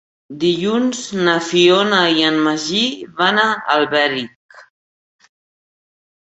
Dilluns na Fiona i en Magí van a Alberic.